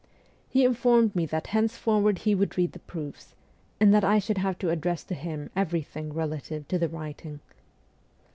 He informed me that henceforward he would read the proofs, and that I should have to address to him everything relative to the printing.